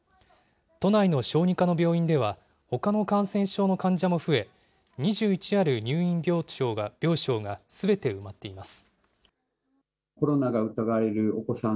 都内の小児科の病院ではほかの感染症の患者も増え、２１ある入院病床がすべて埋まっています。